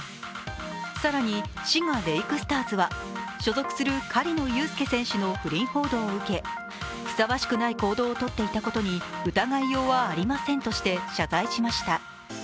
更に滋賀レイクスターズは、所属する狩野祐介選手の不倫報道を受けふさわしくない行動をとっていたことに疑いようはありませんとして謝罪しました。